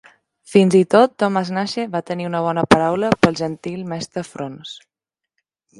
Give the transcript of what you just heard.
Fins i tot Thomas Nashe va tenir una bona paraula pel "gentil mestre Fraunce".